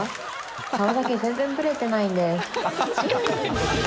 顔だけ全然ブレてないんです。